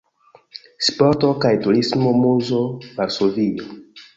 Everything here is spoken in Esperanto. Sporto kaj Turismo-Muzo, Varsovio.